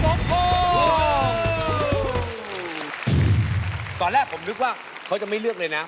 ตอนแรกผมนึกว่าเขาจะไม่เลือกเลยนะ